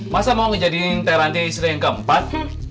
masa mau jadi teranti istri yang keempat